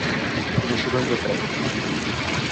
Fer soroll de peus.